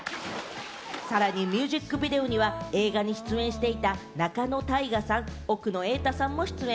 さらにミュージックビデオには映画に出演していた、仲野太賀さん、奥野瑛太さんも出演。